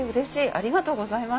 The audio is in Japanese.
ありがとうございます。